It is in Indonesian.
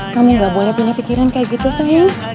kamu gak boleh punya pikiran kayak gitu saya